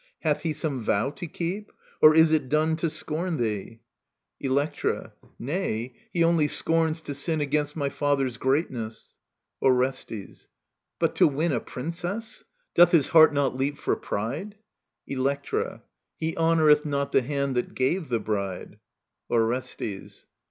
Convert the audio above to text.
Hath he some vow to keep i Or is it done To scorn thee ? Digitized by VjOOQIC i8 EURIPIDES Electra. Nay.; he only scorns to sin Against my father's greatness. Orestes. But to win A princess I Doth his heart not leap for pride ? Electra. He honoureth not the hand that gave the bride. Orestes.